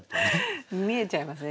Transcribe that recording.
見えちゃいますね